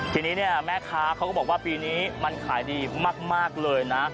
ทีนี้เนี่ยแม่ค้าเขาก็บอกว่าปีนี้มันขายดีมากเลยนะ